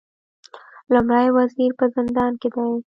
لومړی وزیر په زندان کې دی